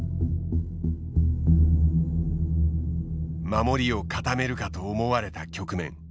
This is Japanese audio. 守りを固めるかと思われた局面。